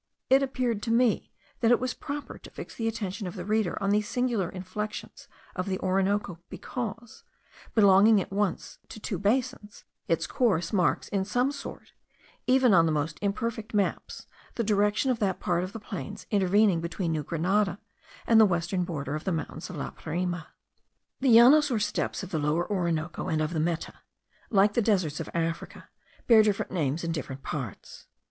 It appeared to me, that it was proper to fix the attention of the reader on these singular inflexions of the Orinoco because, belonging at once to two basins, its course marks, in some sort, even on the most imperfect maps, the direction of that part of the plains intervening between New Grenada and the western border of the mountains of La Parime. The Llanos or steppes of the Lower Orinoco and of the Meta, like the deserts of Africa, bear different names in different parts.